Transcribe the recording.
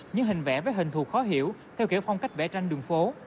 những hình vẽ với hình thù khó hiểu theo kiểu phong cách vẽ tranh đường phố